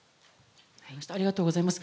ありがとうございます。